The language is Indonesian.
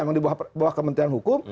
yang dibawah kementerian hukum